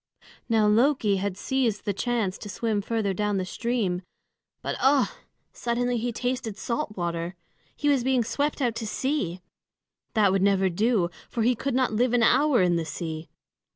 Now Loki had seized the chance to swim further down the stream. But ugh! suddenly he tasted salt water. He was being swept out to sea! That would never do, for he could not live an hour in the sea.